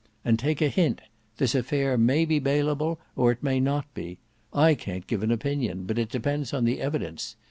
And take a hint; this affair may be bailable or it may not be. I can't give an opinion, but it depends on the evidence.